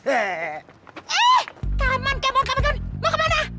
eh kaman kemon kemon kemon mau kemana